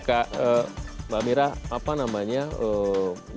tetaplah bersama kami